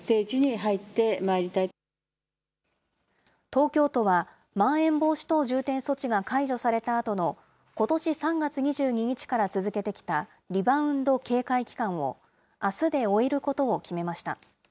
東京都はまん延防止等重点措置が解除されたあとのことし３月２２日から続けてきたリバウンド警戒期間を、あすで終えることを決めました。